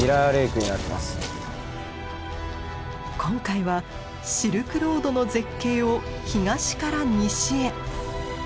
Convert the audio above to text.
今回はシルクロードの絶景を東から西へ。